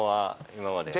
今まで。